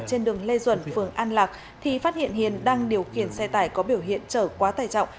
trên đường lê duẩn phường an lạc thì phát hiện hiền đang điều khiển xe tải có biểu hiện trở quá tải trọng